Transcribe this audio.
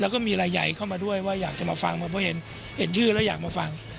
แล้วก็มีรายใหญ่เข้ามาด้วยว่าอยากจะมาฟังเพราะเห็นชื่อแล้วอยากมาฟัง